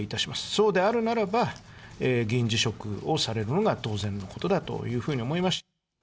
そうであるならば、議員辞職をされるのが当然のことだというふうに思います。